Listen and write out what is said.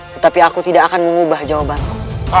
tetapi aku tidak akan mengubah jawabanku